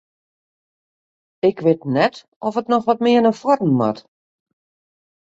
Ik wit net oft it noch wat mear nei foaren moat?